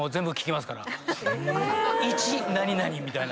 「１何々」みたいな。